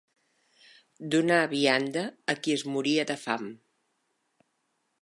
Donar vianda a qui es moria de fam